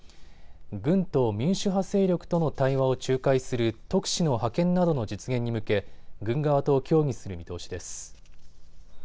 軍と民主派勢力との対応を仲介する特使の派遣などの実現に向け軍側と協議する見通しです。